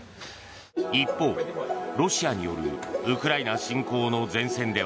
一方、ロシアによるウクライナ侵攻の前線では